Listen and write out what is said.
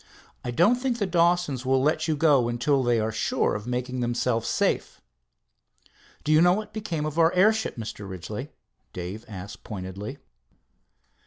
"I don't think the Dawsons will let you go until they are sure of making themselves safe." "Do you know what became of our airship, Mr. Ridgely?" Dave asked pointedly.